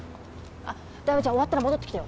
あっ台場ちゃん終わったら戻ってきてよ。